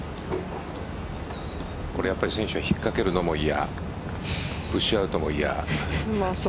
選手は引っかけるのも嫌プッシュアウトも嫌。